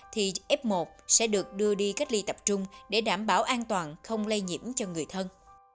thì f một sẽ được đưa đi cách ly tập trung để đảm bảo an toàn không lây nhiễm cho người thân